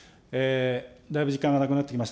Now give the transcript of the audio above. だいぶ時間がなくなってきました。